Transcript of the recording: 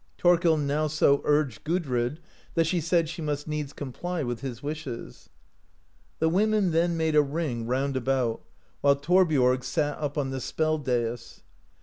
Thorkel now so urged Gudrid, that she said she must needs comply with his wishes. The women then made a ring round about, while Thorbiorg sat up on the spell dais.